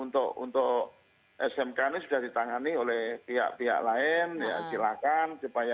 untuk untuk smk ini sudah ditangani oleh pihak pihak lain ya silakan